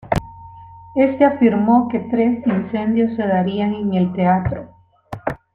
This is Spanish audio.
Este afirmó que tres incendios se darían en el teatro.